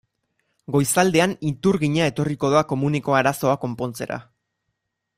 Goizaldean iturgina etorriko da komuneko arazoa konpontzera.